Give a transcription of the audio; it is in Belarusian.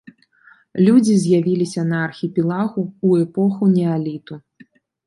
Людзі з'явіліся на архіпелагу ў эпоху неаліту.